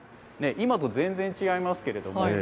今と全然違いますけどね。